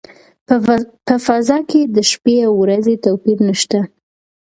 په فضا کې د شپې او ورځې توپیر نشته.